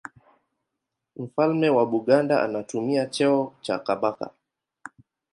Mfalme wa Buganda anatumia cheo cha Kabaka.